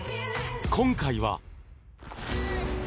今回は。